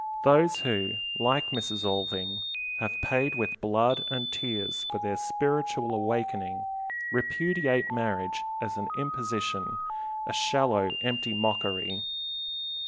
Those who, like Mrs. Alving, have paid with blood and tears for their spiritual awakening, repudiate marriage as an imposition, a shallow, empty mockery.